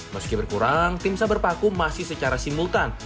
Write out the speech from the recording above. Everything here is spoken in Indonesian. meski berkurang tim saber paku masih secara simultan